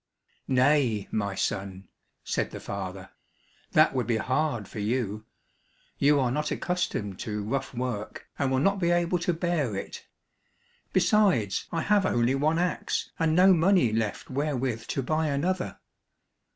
"Nay, my son," said the father, "that would be hard for you; you are not accustomed to rough work, and will not be able to bear it, besides I have only one axe and no money left wherewith to buy another."